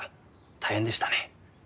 大変でしたね。